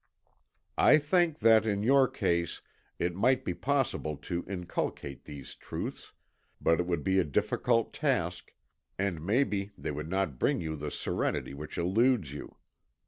I think that, in your case, it might be possible to inculcate these truths, but it would be a difficult task, and maybe they would not bring you the serenity which eludes you.